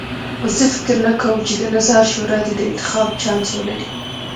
زه فکر نه کوم چې د نظار شورا دې د انتخاب چانس ولري.